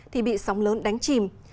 thì bị sóng lớn đánh chìm